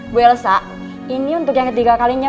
bu elsa ini untuk yang ketiga kalinya